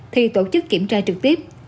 thì tổ chức kiểm tra trực tiếp